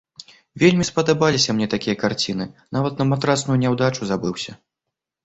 Вельмі спадабаліся мне такія карціны, нават на матрацную няўдачу забыўся.